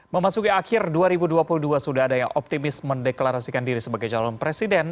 memasuki akhir dua ribu dua puluh dua sudah ada yang optimis mendeklarasikan diri sebagai calon presiden